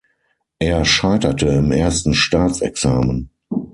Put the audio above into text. Er scheiterte im ersten Staatsexamen.